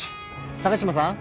高島さん？